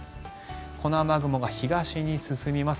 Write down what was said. この雨雲が東に進みます。